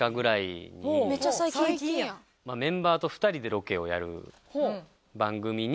メンバーと２人でロケをやる番組に。